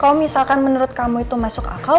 kalau misalkan menurut kamu itu masuk akal